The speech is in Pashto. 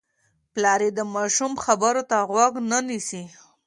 پلار یې د ماشوم خبرو ته غوږ نه نیسي.